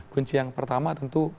kunci yang pertama tentu